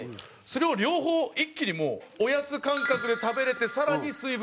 それを両方一気にもうおやつ感覚で食べれてさらに水分も押し込めるという。